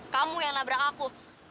kamu yang nabrak aku